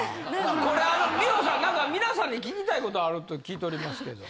これあの美保さん何か皆さんに聞きたい事あると聞いておりますけど。